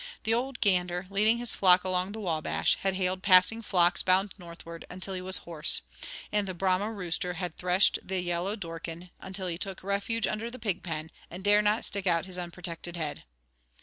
The old gander, leading his flock along the Wabash, had hailed passing flocks bound northward until he was hoarse; and the Brahma rooster had threshed the yellow dorkin until he took refuge under the pig pen, and dare not stick out his unprotected head.